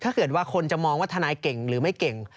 ถ้าเกิดว่าคนจะมองว่าทนายเก่งหรือไม่เก่ง